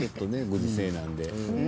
ご時世なんでね。